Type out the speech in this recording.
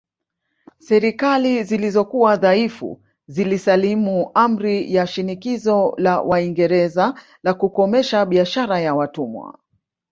Serikali zilizokuwa dhaifu zilisalimu amri kwa shinikizo la Waingereza la kukomesha biashara ya watumwa